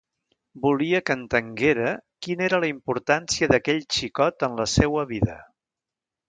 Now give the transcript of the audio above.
Volia que entenguera quina era la importància d'aquell xicot en la seua vida.